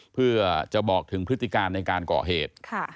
เพื่อจะบอกถึงพฤติการในการก่อเหตุ